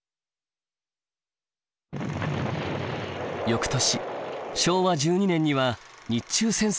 翌年昭和１２年には日中戦争が勃発。